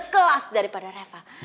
berkelas daripada reva